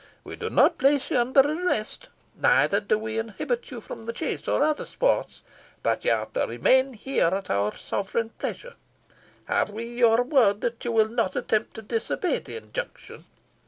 We do not place you under arrest, neither do we inhibit you from the chase, or from any other sports; but you are to remain here at our sovereign pleasure. Have we your word that you will not attempt to disobey the injunction?"